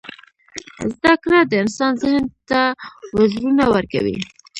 • زده کړه د انسان ذهن ته وزرونه ورکوي.